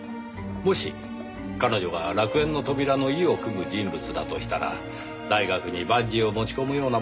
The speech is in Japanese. もし彼女が楽園の扉の意をくむ人物だとしたら大学にバッジを持ち込むようなまねはしないでしょう。